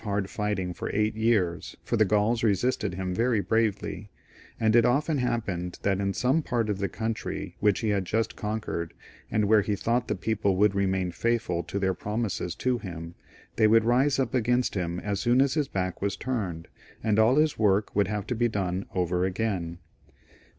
] C^SAR IN GAUL, hard fighting for eight years, for the Gauls resisted him very bravely ; and it often happened that in some part of the country which he had just conquered, and where he thought the people would remain faithful to their promises to him, they would rise up against him as soon as his back was turned, and all his work would have to' be done over again.